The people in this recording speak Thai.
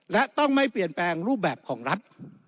และต้องไม่เปลี่ยนแปลงรูปแบบของรัฐ